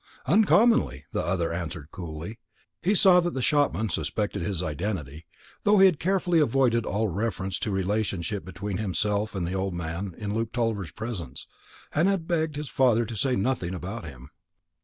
"Uncommonly," the other answered coolly. He saw that the shopman suspected his identity, though he had carefully avoided all reference to the relationship between himself and the old man in Luke Tulliver's presence, and had begged his father to say nothing about him.